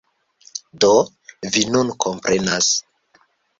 Do, vi nun komprenas.